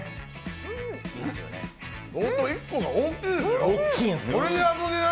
本当１個が大きいですね。